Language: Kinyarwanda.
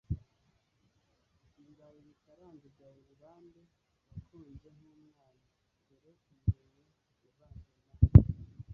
ibirayi bikaranze bya irlande wakunze nkumwana; dore ingemwe ivanze na